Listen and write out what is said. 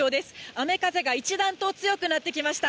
雨風が一段と強くなってきました。